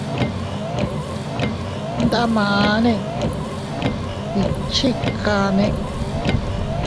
Ndamane, ¿iychikanne?